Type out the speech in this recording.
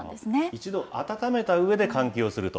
一度暖めたうえで、換気をすると。